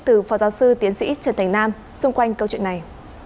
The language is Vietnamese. từ phó giáo sư tiến sĩ trần thành nam xung quanh câu chuyện này